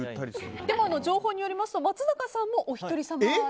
でも情報によりますと松坂さんもおひとり様で。